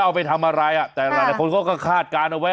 เอาไปทำอะไรแต่หลายคนเขาก็คาดการณ์เอาไว้